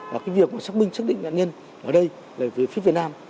và cái việc xác minh xác định nạn nhân ở đây là về phía việt nam